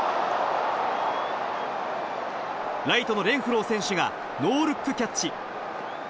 ライトのレンフロー選手がノールックキャッチ。